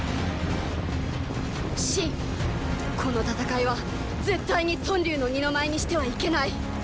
信この戦いは絶対に“屯留”の二の舞にしてはいけない。